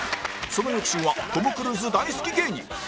その翌週はトム・クルーズ大好き芸人